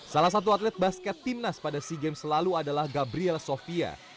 salah satu atlet basket timnas pada sea games selalu adalah gabriel sofia